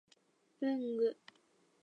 文具